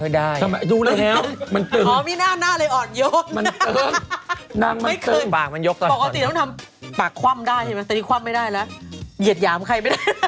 เหยียดหยามใครไม่ได้